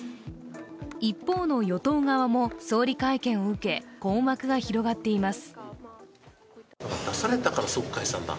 一方の与党側も総理会見を受け、困惑が広がっています。